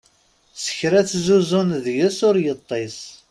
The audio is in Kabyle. Sekra tezzuzzen deg-s ur yeṭṭis.